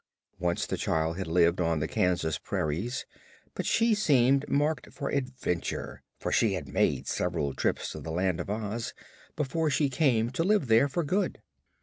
Once the child had lived on the Kansas prairies, but she seemed marked for adventure, for she had made several trips to the Land of Oz before she came to live there for good.